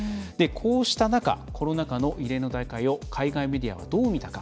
こうした中コロナ禍の異例の大会を海外メディアはどう見たか。